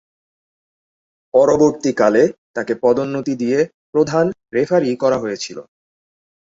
পরবর্তীকালে তাকে পদোন্নতি দিয়ে প্রধান রেফারি করা হয়েছিল।